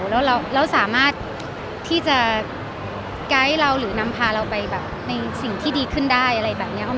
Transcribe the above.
แล้วเราสามารถที่จะไกด์เราหรือนำพาเราไปแบบในสิ่งที่ดีขึ้นได้อะไรแบบนี้